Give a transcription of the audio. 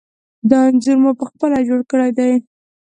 دا انځور ما پخپله جوړ کړی دی.